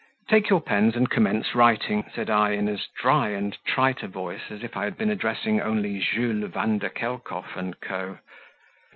"Take your pens and commence writing," said I, in as dry and trite a voice as if I had been addressing only Jules Vanderkelkov and Co.